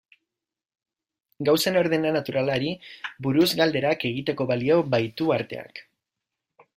Gauzen ordena naturalari buruz galderak egiteko balio baitu arteak.